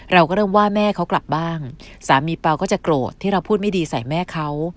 เราก็เริ่มว่าแม่เขากลับบ้างสามีเปล่าก็จะโกรธที่เราพูดไม่ดีใส่แม่เขา